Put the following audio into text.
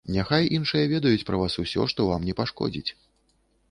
Няхай іншыя ведаюць пра вас усё, што вам не пашкодзіць.